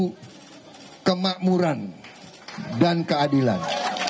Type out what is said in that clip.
untuk kemakmuran dan keadilan